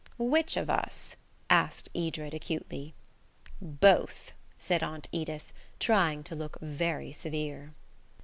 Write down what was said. "Which of us?" asked Edred acutely. "Both," said Aunt Edith, trying to look very severe.